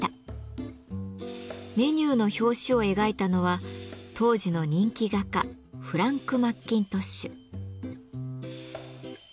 メニューの表紙を描いたのは当時の人気画家フランク・マッキントッシュ。